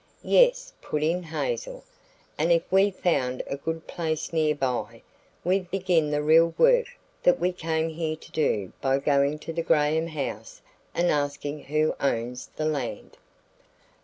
"Yes," put in Hazel; "and if we found a good place nearby, we'd begin the real work that we came here to do by going to the Graham house and asking who owns the land."